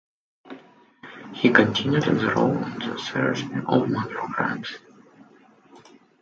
He continued in the role in the series' spin-off, "Major Crimes".